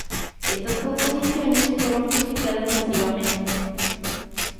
Estas proposiciones fueron criticadas masivamente.